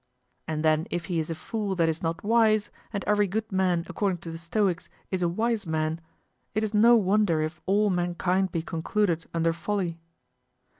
And then if he is a fool that is not wise, and every good man according to the Stoics is a wise man, it is no wonder if all mankind be concluded under folly.